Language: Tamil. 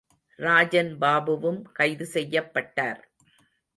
ராஜன் பாபுவும் கைது செய்யப்பட்டார்.